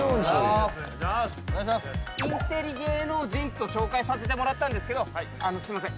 「インテリ芸能人」と紹介させてもらったんですけどあのすいません。